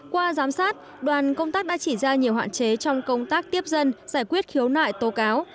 qua giám sát đoàn công tác đã chỉ ra nhiều hoạn chế trong công tác tiếp dân giải quyết khiếu nại tố cáo